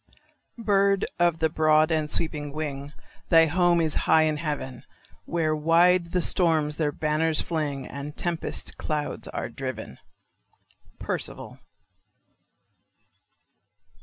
Bird of the broad and sweeping wing, Thy home is high in heaven, Where wide the storms their banners fling, And the tempest clouds are driven. _Percival.